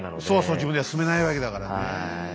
そうそう自分では進めないわけだからね。